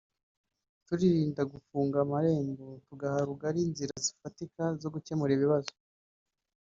turirinda gufunga amarembo tugaha rugari inzira zifatika zo gukemura ibibazo